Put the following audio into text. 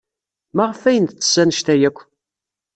Maɣef ay nettess anect-a akk?